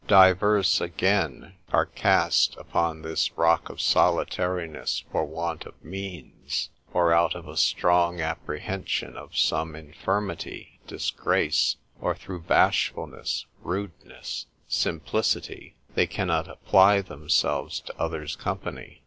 Divers again are cast upon this rock of solitariness for want of means, or out of a strong apprehension of some infirmity, disgrace, or through bashfulness, rudeness, simplicity, they cannot apply themselves to others' company.